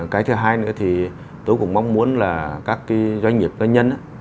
cái thứ hai nữa thì tôi cũng mong muốn là các cái doanh nghiệp doanh nhân